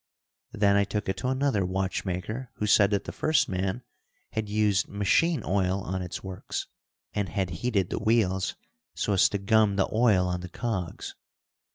Then I took it to another watchmaker who said that the first man had used machine oil on its works, and had heated the wheels so as to gum the oil on the cogs.